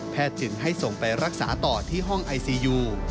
จึงให้ส่งไปรักษาต่อที่ห้องไอซียู